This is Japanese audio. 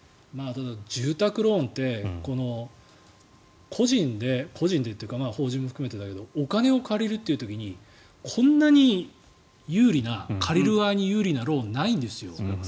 ただ、住宅ローンって個人で個人っていうか法人も含めてだけどお金を借りるという時にこんなに借りる側に有利なローンはないんですよ。